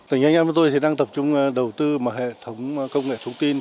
tỉnh anh em và tôi đang tập trung đầu tư vào hệ thống công nghệ thông tin